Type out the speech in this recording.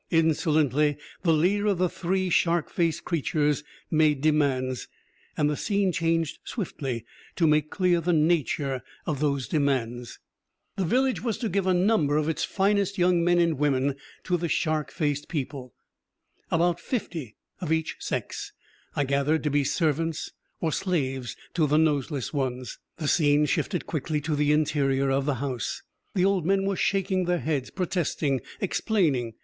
Insolently, the leader of the three shark faced creatures made demands, and the scene changed swiftly to make clear the nature of those demands. The village was to give a number of its finest young men and women to the shark faced people; about fifty of each sex, I gathered, to be servants, slaves, to the noseless ones. The scene shifted quickly to the interior of the house. The old men were shaking their heads, protesting, explaining.